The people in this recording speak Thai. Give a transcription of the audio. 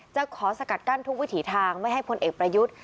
จะขอสกัดกั้นทุกวิถีทางไม่ให้พลเอกประยุทธ์